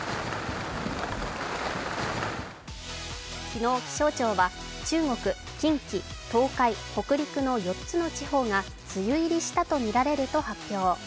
昨日、気象庁は中国、近畿、東海、北陸の４つの地方が梅雨入りしたとみられると発表。